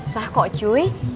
sah kok cu